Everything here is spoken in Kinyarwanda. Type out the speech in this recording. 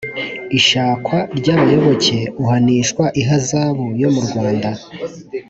ishakwa ry abayoboke uhanishwa ihazabu yo mu rwanda